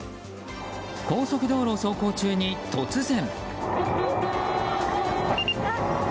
高速道路を走行中に突然！